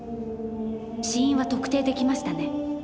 死因は特定できましたね。